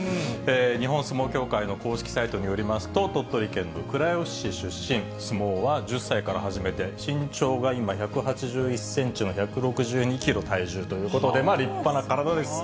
日本相撲協会の公式サイトによりますと、鳥取県の倉吉市出身、相撲は１０歳から始めて、身長が今、１８１センチの１６２キロ、体重ということで、立派な体です。